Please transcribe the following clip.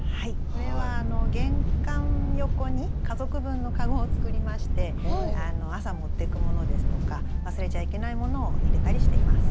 これは玄関横に家族分のかごを作りまして朝持ってくものですとか忘れちゃいけないものを入れたりしています。